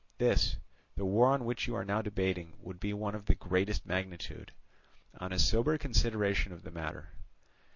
This, the war on which you are now debating, would be one of the greatest magnitude, on a sober consideration of the matter.